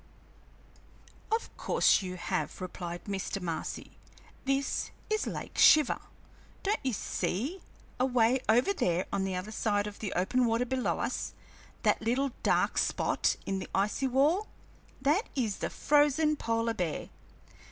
"Of course you have," replied Mr. Marcy. "This is Lake Shiver. Don't you see, away over there on the other side of the open water below us, that little dark spot in the icy wall? That is the frozen polar bear.